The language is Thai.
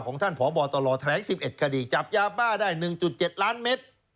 ของท่านพบตรแถลง๑๑คดีจับยาบ้าได้๑๗ล้านเมตร